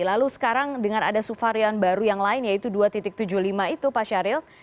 lalu sekarang dengan ada suvarian baru yang lain yaitu dua tujuh puluh lima itu pak syahril